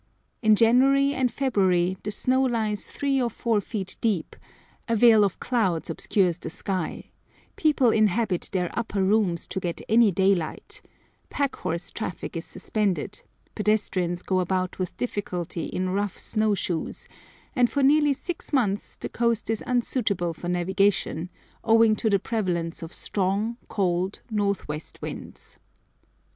In January and February the snow lies three or four feet deep, a veil of clouds obscures the sky, people inhabit their upper rooms to get any daylight, pack horse traffic is suspended, pedestrians go about with difficulty in rough snow shoes, and for nearly six months the coast is unsuitable for navigation, owing to the prevalence of strong, cold, north west winds.